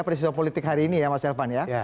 presidio politik hari ini ya mas elvan